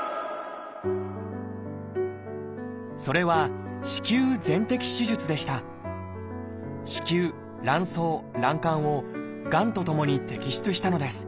それは子宮卵巣卵管をがんとともに摘出したのです